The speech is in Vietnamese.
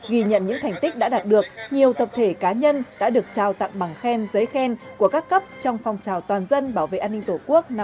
ghi nhận những thành tích đã đạt được nhiều tập thể cá nhân đã được trao tặng bằng khen giấy khen của các cấp trong phong trào toàn dân bảo vệ an ninh tổ quốc năm hai nghìn hai mươi bốn